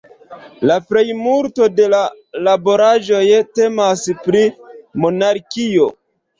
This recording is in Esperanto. La plejmulto de la laboraĵoj temas pri monarkio.